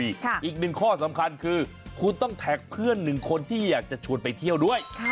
อีกหนึ่งข้อสำคัญคือคุณต้องแท็กเพื่อนหนึ่งคนที่อยากจะชวนไปเที่ยวด้วย